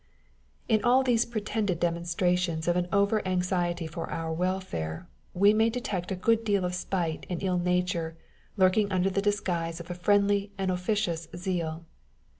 In all these pretended demonstrations of an over anxiety for our welfare, we may detect a great deal of spite and ill nature lurking under the disguise of a friendly and officious zeal.